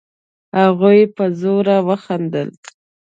هغوی په زوره خندل.